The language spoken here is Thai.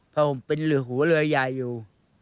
เพราะผมเป็นหัวเรือใหญ่อยู่